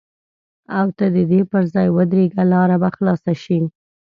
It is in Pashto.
او ته د دې پر ځای ودرېږه لاره به خلاصه شي.